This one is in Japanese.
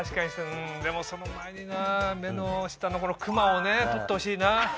うんでもその前になぁ目の下のクマを取ってほしいな。